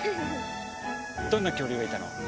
どんな恐竜がいたの？